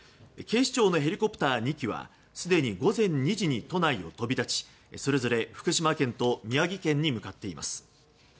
警視庁のヘリコプター２機はすでに午前２時に都内を飛び立ちそれぞれ福島県と宮城県に向かっています。